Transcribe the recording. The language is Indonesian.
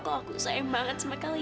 kalau aku sayang banget sama kalian